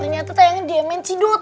ternyata tayangan dm nya cidut